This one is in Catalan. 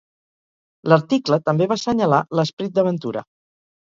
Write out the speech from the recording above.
L'article també va assenyalar l'esperit d'aventura.